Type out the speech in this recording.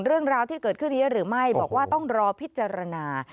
เรื่องราวที่เกิดขึ้นนี้หรือไม่บอกว่าต้องรอพิจารณา